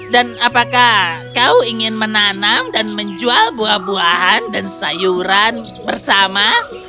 dan apakah kau ingin menanam dan menjual buah buahan dan sayuran bersama